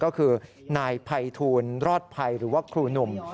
ก็คือนายภัยทูลรอดภัยหรือว่าครูหนุ่ม